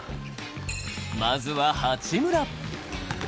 まずは八村。